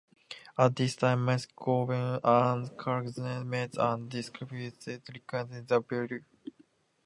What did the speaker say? At this time McGovern and Calagione met and discussed recreating the brew.